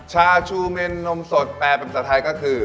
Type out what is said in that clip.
ชาชูเมนนมสดแปลเป็นภาษาไทยก็คือ